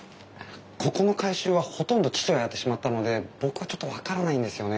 ここの改修はほとんど父がやってしまったので僕はちょっと分からないんですよね。